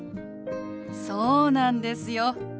そうなんですよ。